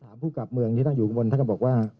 ถามผู้กราบเมืองที่ตั้งอยู่ข้างบนถ้าเขาบอกว่า